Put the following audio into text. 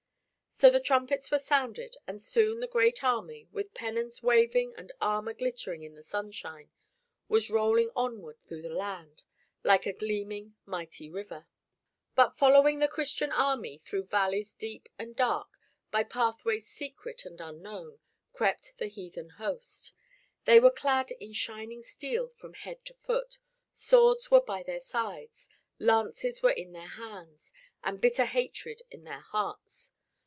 So the trumpets were sounded, and soon the great army, with pennons waving and armor glittering in the sunshine, was rolling onward through the land, like a gleaming mighty river. But following the Christian army, through valleys deep and dark, by pathways secret and unknown, crept the heathen host. They were clad in shining steel from head to foot, swords were by their sides, lances were in their hands, and bitter hatred in their hearts.